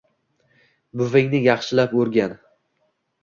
Buvingni yaxshilab o‘rgan.